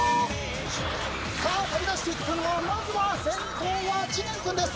さあ飛び出していったのはまずは先頭は知念君です。